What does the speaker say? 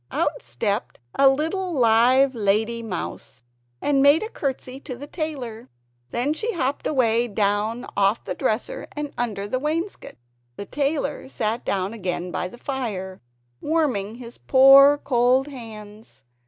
Out stepped a little live lady mouse, and made a courtesy to the tailor! Then she hopped away down off the dresser, and under the wainscot. The tailor sat down again by the fire, warming his poor cold hands.